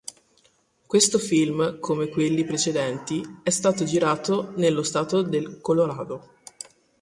Questo film, come quelli precedenti, è stato girato nello stato del Colorado.